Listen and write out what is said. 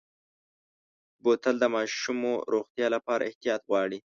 بوتل د ماشومو روغتیا لپاره احتیاط غواړي.